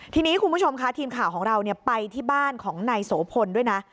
ทีนี้คุณผู้ชมค่ะทีมข่าวของเราไปที่บ้านของนายโสพลด้วยนะ